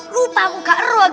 lupa aku nggak erok